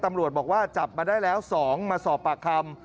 ตำรวจบอกว่าจับมาได้แล้ว๒มาสอบปากคำ